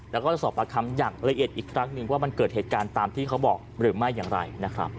แล้วก็จะสอบประคำอย่างละเอียดอีกครั้งนึงว่ามันเกิดเหตุการณ์ตามที่เขาบอกหรือไม่อย่างไรนะครับ